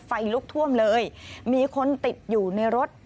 ไฟลุกท่วมเลยมีคนติดอยู่ในรถ